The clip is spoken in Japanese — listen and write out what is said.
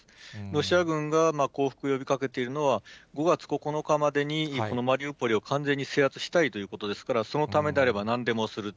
ロシア軍が降伏を呼びかけているのは、５月９日までにこのマリウポリを完全に制圧したいということですから、そのためであればなんでもする。